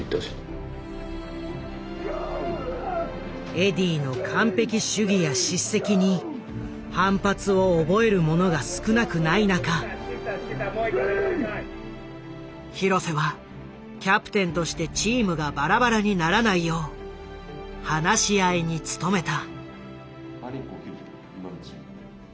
エディーの完璧主義や叱責に反発を覚える者が少なくない中廣瀬はキャプテンとしてチームがバラバラにならないよう話し合いに努めた。